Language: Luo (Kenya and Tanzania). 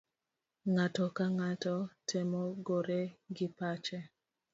Ng'ato kang'ato temo gore gi pache.